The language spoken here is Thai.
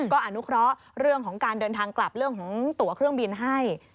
ก็อนุเคราะห์เรื่องของการเดินทางกลับเรื่องของตัวเครื่องบินให้